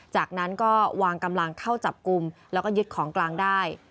จากนั้นก็วางกำลังเข้าจับกลุ่มแล้วก็ยึดของกลางได้